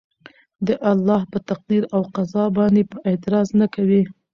د الله په تقدير او قضاء باندي به اعتراض نه کوي